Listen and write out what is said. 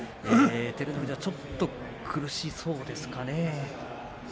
照ノ富士はちょっと苦しそうですかね。